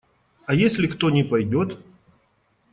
А если кто не пойдет?